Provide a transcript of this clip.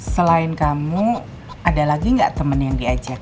selain kamu ada lagi nggak temen yang diajak